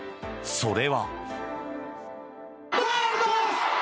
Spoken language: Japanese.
それは。